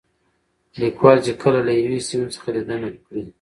ليکوال چې کله له يوې سيمې څخه ليدنه کړې